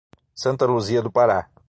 Santa Luzia do Pará